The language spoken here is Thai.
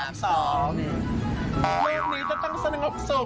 เรื่องนี้ก็ต้องสนุกสุข